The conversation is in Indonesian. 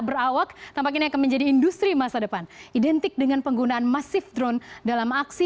berawak tampaknya akan menjadi industri masa depan identik dengan penggunaan masif drone dalam aksi